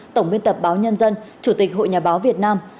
tổng biên tập báo nhân dân chủ tịch hội nhà báo việt nam